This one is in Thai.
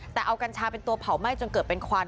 แต่เอากัญชาเป็นตัวเผาไหม้จนเกิดเป็นควัน